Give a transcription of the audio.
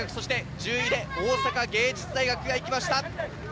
１０位で大阪芸術大学が行きました。